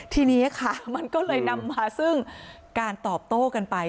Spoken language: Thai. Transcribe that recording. ทีนี้ค่ะมันก็เลยนำมาซึ่งการตอบโต้กันไป